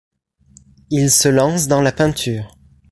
Il se lance dans la peinture.